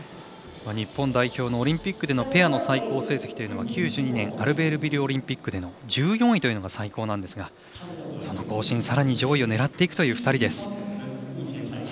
日本代表のオリンピックでのペアの最高成績というのはアルベールビルオリンピックでの１４位というのが最高なんですが更新、さらに上位を狙っていく２人です。